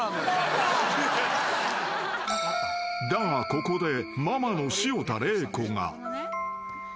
［だがここでママの潮田玲子が］